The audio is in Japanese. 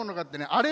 あれ？